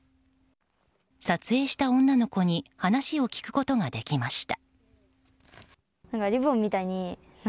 撮影した女の子に話を聞くことができました。